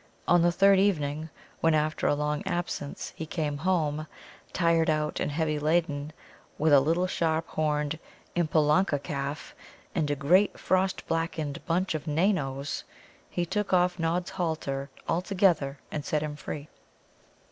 On the third evening, when, after a long absence, he came home, tired out and heavy laden, with a little sharp horned Impolanca calf and a great frost blackened bunch of Nanoes, he took off Nod's halter altogether and set him free.